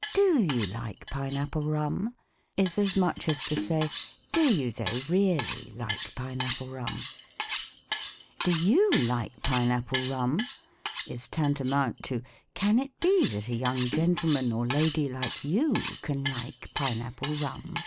" Bo you like pine apple rum ?" is as much as to say, " Do you, though, really like pine apple rum ?"" Do you like pine apple rum ?" is tantamount to, " Can it be that a young gentleman (or lady) like you, can like pine apple rum